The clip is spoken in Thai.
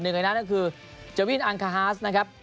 หนึ่งอันนั้นก็คือเจอวินอังคาฮาสนะครับ